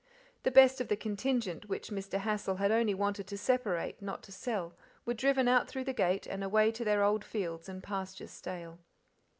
The best of the contingent, which Mr. Hassal had only wanted to separate, not to sell, were driven out through the gate and away to their old fields and pastures stale.